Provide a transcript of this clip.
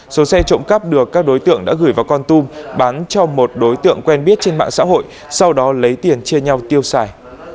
số xe trộm cắp được các đối tượng đã gửi vào con tum bán cho một đối tượng quen biết trên mạng xã hội sau đó lấy tiền chia nhau tiêu xài